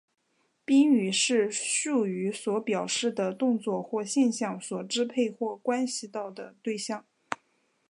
宾语是述语所表示的动作或现象所支配或关涉到的对象。